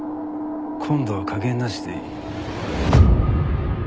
今度は加減なしでいい。